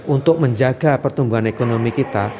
untuk menjaga pertumbuhan ekonomi kita